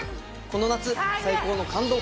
この夏最高の感動